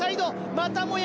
またもや